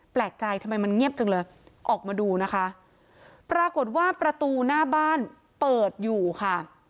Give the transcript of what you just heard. แปลกใจทำไมมันเงียบจังเลยออกมาดูนะคะปรากฏว่าประตูหน้าบ้านเปิดอยู่ค่ะ